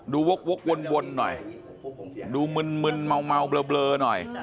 ดูวกวกวนวนหน่อยดูมึนมุนเมาเบลอหน่อย